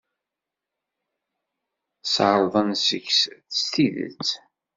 Sserḍen seg-k s tidet.